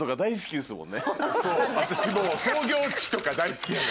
そう私もう創業地とか大好きなのよ。